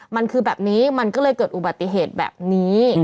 มันคือแบบนี้มันก็เลยเกิดอุบัติเหตุแบบนี้